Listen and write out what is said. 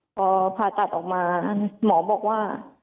พอผ่าตัดออกมาหมอบอกว่า